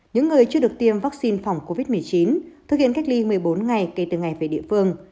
những người chưa được tiêm vaccine phòng covid một mươi chín thực hiện cách ly một mươi bốn ngày kể từ ngày về địa phương